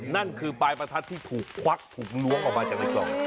นั่นคือปลายประทัดที่ถูกควักถูกล้วงออกมาจากในกล่อง